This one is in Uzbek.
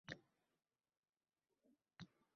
Amr etdi Tarxonbek xizmatkoriga.